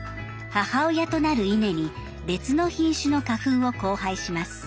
母親となる稲に別の品種の花粉を交配します。